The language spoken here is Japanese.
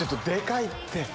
でかいって！